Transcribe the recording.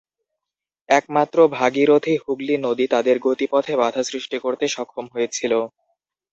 একমাত্র ভাগীরথী-হুগলি নদী তাদের গতিপথে বাধা সৃষ্টি করতে সক্ষম হয়েছিল।